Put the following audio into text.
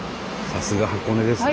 さすが箱根ですね。